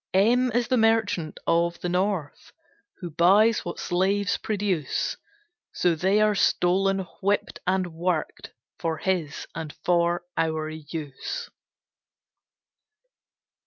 M M is the Merchant of the north, Who buys what slaves produce So they are stolen, whipped and worked, For his, and for our use.